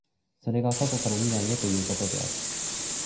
それが過去から未来へということである。